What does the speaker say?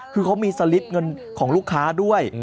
คือเขามีสลิปเงินของลูกค้าด้วย